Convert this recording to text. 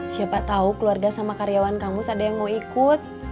siapa tahu keluarga sama karyawan kampus ada yang mau ikut